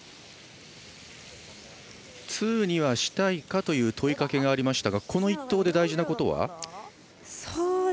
ツーにはしたいか？という問いかけがありましたがこの１投で大事なことは？